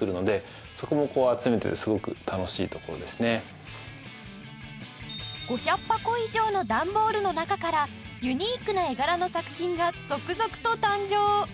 ちょうど５００箱以上の段ボールの中からユニークな絵柄の作品が続々と誕生